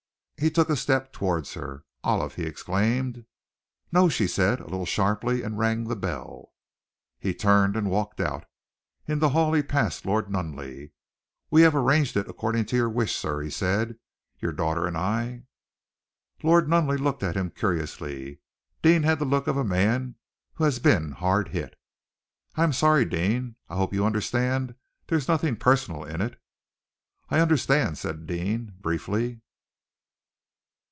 He took a step towards her. "Olive!" he exclaimed. "No!" she said, a little sharply, and rang the bell. He turned and walked out. In the hall he passed Lord Nunneley. "We have arranged it according to your wish, sir," he said, "your daughter and I." Lord Nunneley looked at him curiously. Deane had the look of a man who has been hard hit. "I am sorry, Deane. I hope you understand there's nothing personal in it." "I understand!" said Deane, briefly.